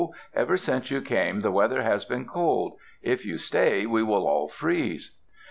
Ever since you came the weather has been cold. If you stay we will all freeze."